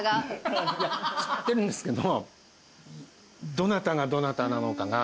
いや知ってるんですけど。